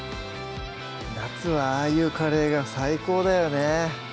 夏はああいうカレーが最高だよね